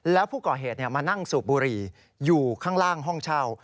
แล้วผู้ก่อเหตุมานั่งสูบบุหรี่อยู่ข้างล่างห้องเช่า